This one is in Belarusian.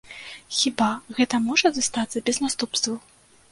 Хіба гэта можа застацца без наступстваў?